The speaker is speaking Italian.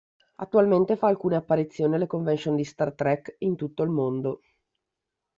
Attualmente fa alcune apparizioni alle convention di "Star Trek" in tutto il mondo.